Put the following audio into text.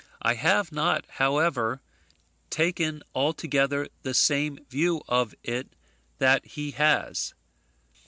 I have not, however, taken altogether the same view of it that he has.